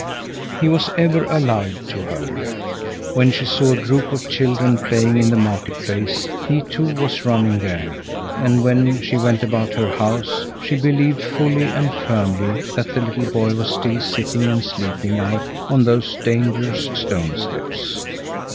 He was ever alive to her. When she saw a group of children playing in the market place, he too was running there, and when she went about her house, she believed fully and firmly that the little boy was still sitting and sleeping out on those dangerous stone steps.